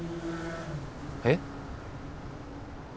えっ？